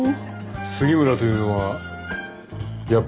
杉村というのはやっぱり君だったか。